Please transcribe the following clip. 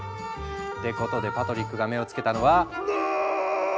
ってことでパトリックが目を付けたのは。